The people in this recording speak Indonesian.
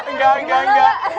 enggak enggak enggak